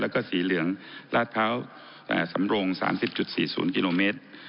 แล้วก็สีเหลืองลาดพร้าวสำรง๓๐๔๐กิโลเมตร